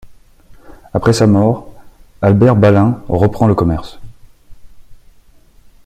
Après sa mort, Albert Ballin reprend le commerce.